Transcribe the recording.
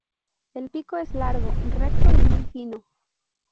El pico es largo recto y muy fino.